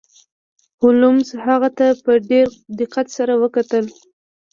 هولمز هغه ته په ډیر دقت سره وکتل.